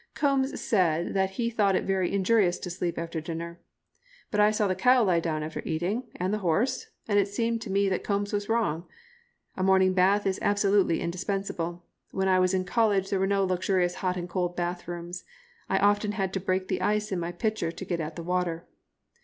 Combes said that he thought it very injurious to sleep after dinner, but I saw the cow lie down after eating, and the horse, and it seemed to me that Combes was wrong. A morning bath is absolutely indispensable. When I was in college there were no luxurious hot and cold bath rooms. I often had to break the ice in my pitcher to get at the water.